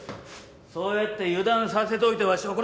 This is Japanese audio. そうやって油断させといてわしを殺すつもりか？